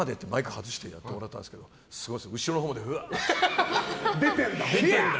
ちょっと生でってマイク外してやってもらったんですけどすごいです後ろのほうまでうわーって。